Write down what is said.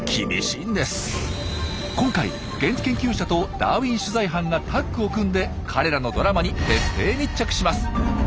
今回現地研究者とダーウィン取材班がタッグを組んで彼らのドラマに徹底密着します。